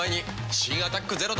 新「アタックＺＥＲＯ」